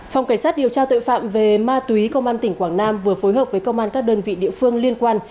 phòng cảnh sát điều tra tội phạm về ma túy công an tỉnh quảng nam vừa phối hợp với công an các đơn vị địa phương liên quan